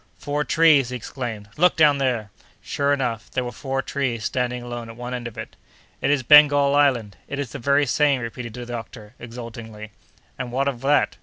"Four trees!" he exclaimed; "look, down there!" Sure enough, there were four trees standing alone at one end of it. "It is Bengal Island! It is the very same," repeated the doctor, exultingly. "And what of that?"